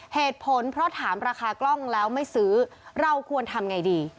เหตุผลเพราะถามราคากล้องแล้วไม่ซื้อเราควรทำไงดี